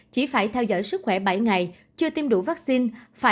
chỉ phải theo dõi sức khỏe bảy ngày chưa tiêm đủ vaccine